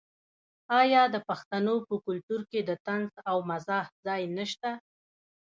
آیا د پښتنو په کلتور کې د طنز او مزاح ځای نشته؟